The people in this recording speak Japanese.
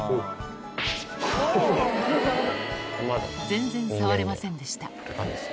全然触れませんでした